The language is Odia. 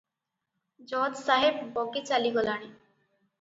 ଜଜ୍ ସାହେବ ବଗି ଚାଲିଗଲାଣି ।